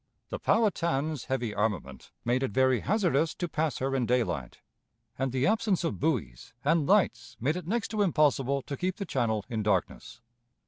The Powhatan's heavy armament made it very hazardous to pass her in daylight, and the absence of buoys and lights made it next to impossible to keep the channel in darkness.